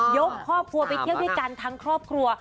ยกครอบครัวไปเที่ยวด้วยกันทั้งครอบครัว